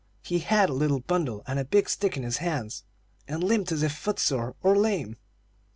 He had a little bundle and a big stick in his hands, and limped as if foot sore or lame.